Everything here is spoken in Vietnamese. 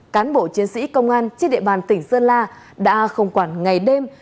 cán bộ chiến sĩ công an trên địa bàn tỉnh sơn la đã không quản ngày đêm